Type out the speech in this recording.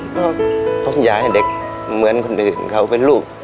เพราะผมอยากให้เด็กเหมือนคนอื่นเขาเป็นลูก